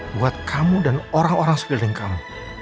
buat kamu dan orang orang sekeliling kamu